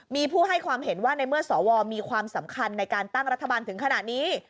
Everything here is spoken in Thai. มีผู้ให้ความเห็นว่าในเมื่อสวมีความสำคัญในการตั้งรัฐบาลถึงขนาดนี้